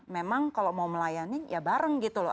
memang kalau mau melayani ya bareng gitu loh